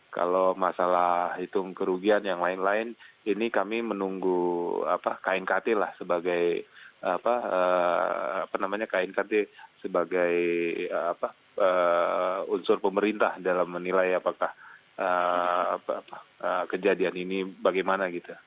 kalau masalah hitung kerugian yang lain lain ini kami menunggu knkt lah sebagai knkt sebagai unsur pemerintah dalam menilai apakah kejadian ini bagaimana gitu